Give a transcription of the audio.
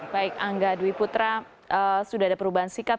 baik angga dwi putra sudah ada perubahan sikap